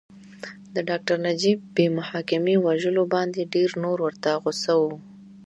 د ډاکټر نجیب بې محاکمې وژلو باندې ډېر نور ورته غوسه وو